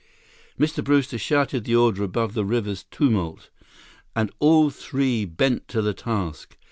Mr. Brewster shouted the order above the river's tumult, and all three bent to the task.